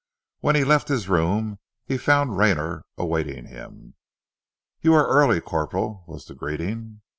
When he left his room he found Rayner awaiting him. "You are early, Corporal," was the greeting.